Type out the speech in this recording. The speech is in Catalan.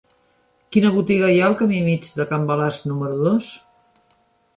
Quina botiga hi ha al camí Mig de Can Balasc número dos?